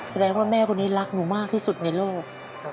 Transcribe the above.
แสดงว่าแม่คนนี้รักหนูมากที่สุดในโลก